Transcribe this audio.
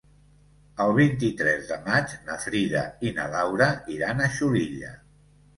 El vint-i-tres de maig na Frida i na Laura iran a Xulilla.